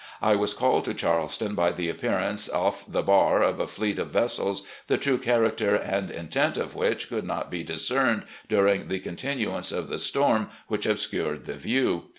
... I was called to Charleston by the appearance off the bar of a fleet of vessels the true character and intent of which could not be discerned during the continuance of the storm which obscured the view.